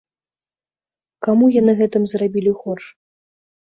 Каму яны гэтым зрабілі горш?